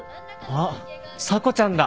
あっ査子ちゃんだ。